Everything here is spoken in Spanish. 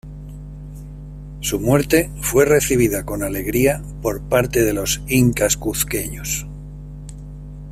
Su muerte fue recibida con alegría por parte de los incas cuzqueños.